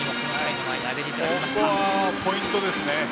ここはポイントですね。